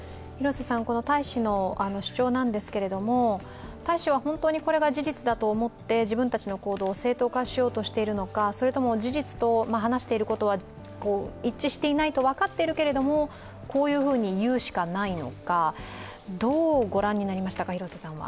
この大使の主張なんですけど大使は本当にこれが事実だと思って、自分たちの行動を正当化しようとしているのか、それとも事実と話していることは一致していないと分かっているけれど、こういうふうに言うしかないのかどう御覧になりましたか。